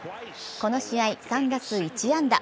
この試合３打数１安打。